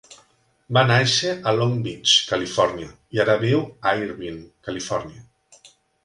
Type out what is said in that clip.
Va néixer a Long Beach (Califòrnia) i ara viu a Irvine (Califòrnia).